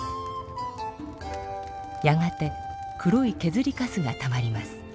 やがて黒いけずりカスがたまります。